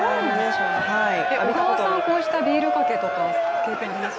小川さん、こうしたビールかけとか経験あります？